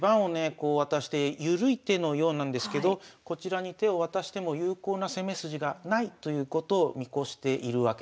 こう渡して緩い手のようなんですけどこちらに手を渡しても有効な攻め筋がないということを見越しているわけですね。